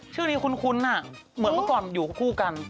ชื่อนี้คุ้นเหมือนเมื่อก่อนอยู่คู่กัน